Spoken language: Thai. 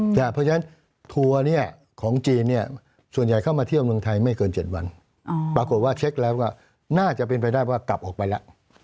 เพราะฉะนั้นทัวร์ของจีนส่วนใหญ่เข้ามาเที่ยวเมืองไทยไม่เกิน๗วันปรากฏว่าเช็คแล้วก็น่าจะเป็นไปได้ว่ากลับออกไปแล้ว